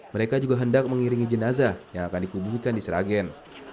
mereka juga hendak mengiringi jenazah yang akan dikubuhkan di seragen